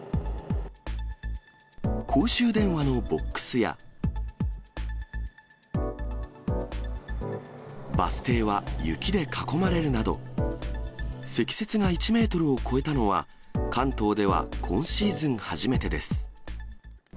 公衆電話のボックスや、バス停は雪で囲まれるなど、積雪が１メートルを超えたのは、関東では今シーズン初めてです。